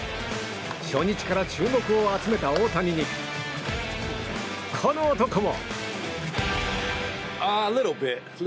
初日から注目を集めた大谷にこの男も。